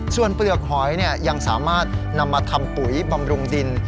ส่วนเปลือกหอยยังสามารถนำมาทำปุ๋ยบำรุงดิน